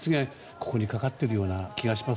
ここにかかっているような気がします。